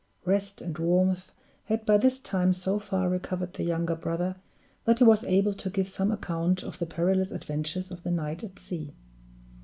Rest and warmth had by this time so far recovered the younger brother, that he was able to give some account of the perilous adventures of the night at sea.